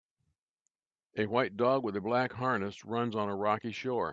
A white dog with a black harness runs on a rocky shore.